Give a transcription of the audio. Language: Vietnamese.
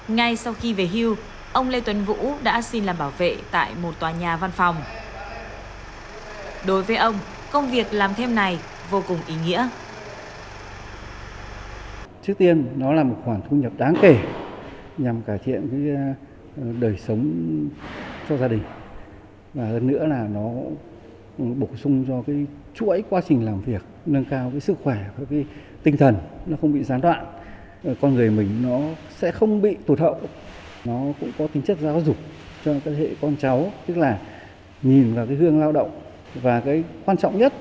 ngay sau khi về hưu ông lê tuấn vũ đã xin làm bảo vệ tại một tòa nhà văn phòng